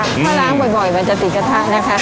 ถ้าล้างบ่อยมันจะติดกระทะนะคะ